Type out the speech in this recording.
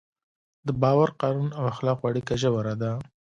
د باور، قانون او اخلاقو اړیکه ژوره ده.